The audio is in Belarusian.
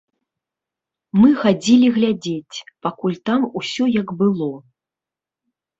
Мы хадзілі глядзець, пакуль там усё як было.